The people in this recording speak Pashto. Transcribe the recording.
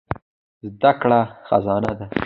زده کړه خزانه ده.